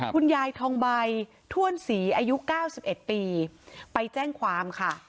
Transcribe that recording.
คุณยายทองใบถ้วนศรีอายุ๙๑ปีไปแจ้งความค่ะ